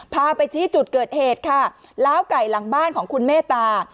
พาไปชี้จุดเกิดเหตุค่ะล้าวไก่หลังบ้านของคุณเมตตา